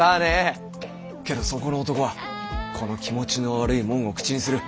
けどそこの男はこの気持ちの悪いもんを口にする。